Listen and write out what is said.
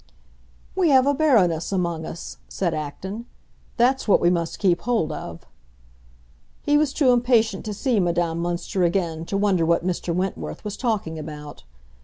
"We have a Baroness among us," said Acton. "That's what we must keep hold of!" He was too impatient to see Madame Münster again to wonder what Mr. Wentworth was talking about.